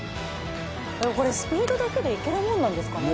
これスピードだけでいけるもんなんですかね？